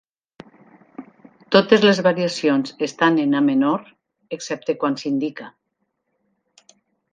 Totes les variacions estan en A menor, excepte quan s'indica.